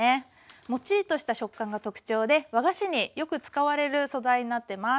もっちりとした食感が特徴で和菓子によく使われる素材になってます。